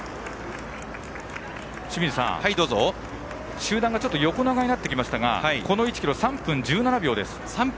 清水さん、集団がちょっと横長になってきましたがこの１ｋｍ、３分１７秒です。